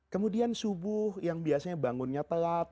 kemudian subuh yang biasanya bangunnya telat